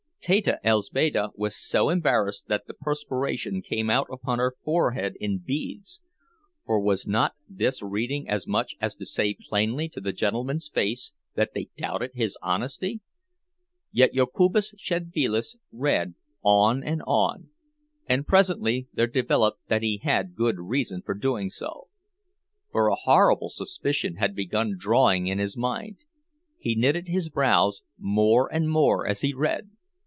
Teta Elzbieta was so embarrassed that the perspiration came out upon her forehead in beads; for was not this reading as much as to say plainly to the gentleman's face that they doubted his honesty? Yet Jokubas Szedvilas read on and on; and presently there developed that he had good reason for doing so. For a horrible suspicion had begun dawning in his mind; he knitted his brows more and more as he read.